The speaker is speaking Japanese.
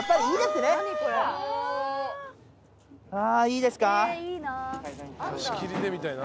いいですか？